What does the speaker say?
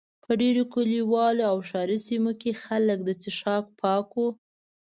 په ډېرو کلیوالو او ښاري سیمو کې خلک د څښاک پاکو.